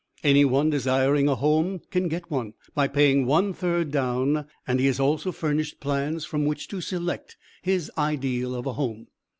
Any one desiring a home can get one by paying one third down, and he is also furnished plans from which to select his ideal of a home.